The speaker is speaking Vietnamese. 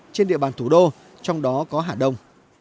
trên địa bàn thủ đô trong đó có hà đông